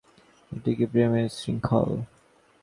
এই কি প্রেমের শৃঙ্খল!